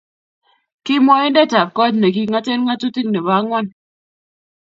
Ki mwoindetab kot ne kingoten ngatutik nebo angwan